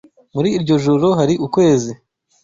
Muri iryo joro hari ukwezi.